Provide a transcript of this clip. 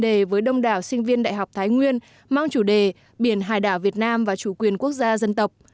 chủ đề với đông đảo sinh viên đại học thái nguyên mang chủ đề biển hải đảo việt nam và chủ quyền quốc gia dân tộc